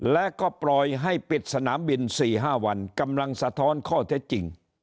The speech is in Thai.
และก็ปล่อยให้ปิดสนามบิน๔๕วันกำลังสะท้อนข้อเท็จจริง